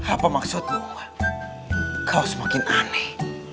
apa maksudku kau semakin aneh